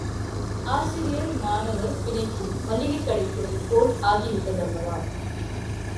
ஆசிரியர் மாணவர் பிணைப்பும் மளிகைக்கடைத்துறை போல் ஆகிவிட்டதல்லவா?